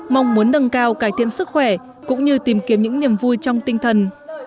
mong muốn nâng cao cải thiện sức khỏe cũng như tìm kiếm những niềm vui trong tinh thần